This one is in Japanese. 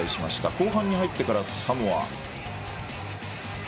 後半に入ってからサモア。